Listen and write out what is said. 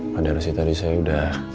padahal sih tadi saya udah